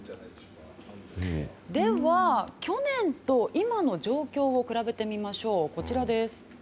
では、去年と今の状況を比べてみましょう。